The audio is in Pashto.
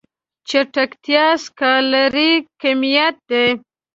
چټکتيا سکالري کميت دی.